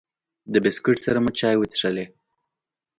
د بسکوټ سره مو چای وڅښلې.